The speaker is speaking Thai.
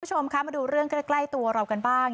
คุณผู้ชมคะมาดูเรื่องใกล้ตัวเรากันบ้าง